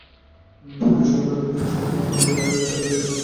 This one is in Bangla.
একটি সংগঠনের কাছ থেকে সম্মাননা নেওয়ার জন্য আয়শা ঢাকায় এসেছিলেন।